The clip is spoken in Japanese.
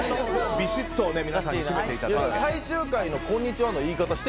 びしっと皆さんに締めていただいて。